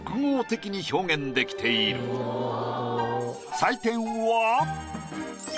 採点は。